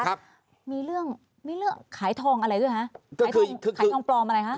ครับมีเรื่องมีเรื่องขายทองอะไรด้วยฮะขายทองขายทองปลอมอะไรคะ